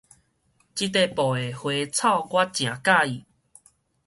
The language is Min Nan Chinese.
這塊布的花草我誠佮意